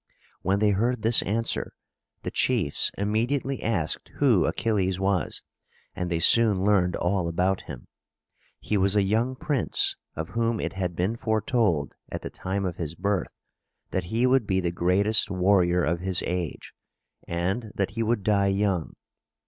When they heard this answer, the chiefs immediately asked who Achilles was, and they soon learned all about him. He was a young prince of whom it had been foretold at the time of his birth that he would be the greatest warrior of his age, and that he would die young.